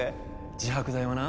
自白剤はな